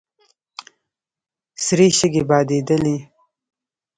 سرې شګې بادېدلې.